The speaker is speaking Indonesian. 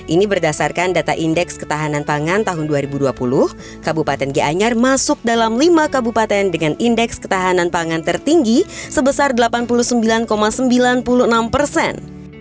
ini berdasarkan data indeks ketahanan pangan tahun dua ribu dua puluh kabupaten gianyar masuk dalam lima kabupaten dengan indeks ketahanan pangan tertinggi sebesar delapan puluh sembilan sembilan puluh enam persen